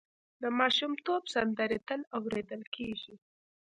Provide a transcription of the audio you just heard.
د ماشومتوب سندرې تل اورېدل کېږي.